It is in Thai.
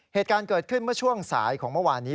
เหตุการณ์เกิดขึ้นเมื่อช่วงสายของเมื่อวานนี้